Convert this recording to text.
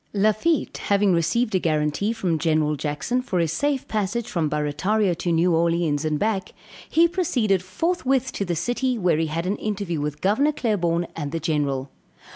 Lafitte having received a guarantee from General Jackson for his safe passage from Barrataria to New Orleans and back, he proceeded forthwith to the city where he had an interview with Gov. Claiborne and the General.